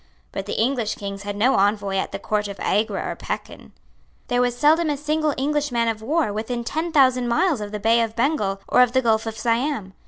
But the English Kings had no envoy at the Court of Agra or Pekin. There was seldom a single English man of war within ten thousand miles of the Bay of Bengal or of the Gulf of Siam.